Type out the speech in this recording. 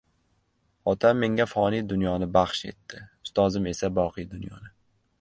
— Otam menga foniy dunyoni baxsh etdi, ustozim esa boqiy dunyoni…